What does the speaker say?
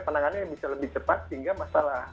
penanganannya bisa lebih cepat sehingga masalah